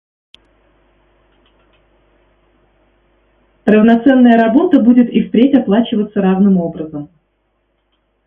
Равноценная работа будет и впредь оплачиваться равным образом.